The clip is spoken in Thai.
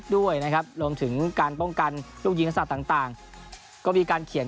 ด้วยนะครับรวมถึงการป้องกันลูกยิงลักษณะต่างก็มีการเขียน